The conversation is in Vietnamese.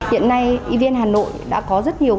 hiện nay y viên hà nội đã có rất nhiều